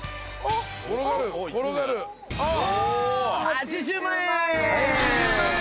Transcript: ８０万円。